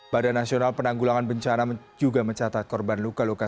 badan nasional penanggulangan bencana juga mencatat korban luka luka